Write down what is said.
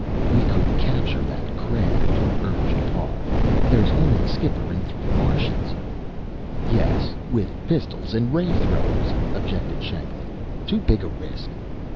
"We could capture that craft," urged Parr. "There's only a skipper and three Martians " "Yes, with pistols and ray throwers," objected Shanklin. "Too big a risk."